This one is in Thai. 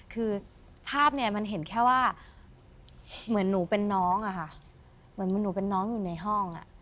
คือภาพเนี่ยมันเห็นแค่ว่าเหมือนหนูเป็นน้องอะค่ะเหมือนหนูเป็นน้องอยู่ในห้อง